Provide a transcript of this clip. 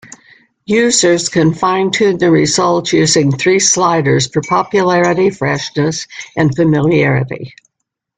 Users can fine tune the results using three sliders for "popularity", "freshness" and "familiarity".